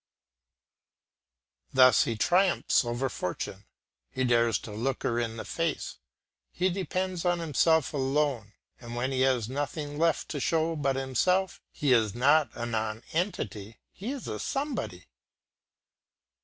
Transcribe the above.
Thus he triumphs over Fortune, he dares to look her in the face; he depends on himself alone, and when he has nothing left to show but himself he is not a nonentity, he is somebody.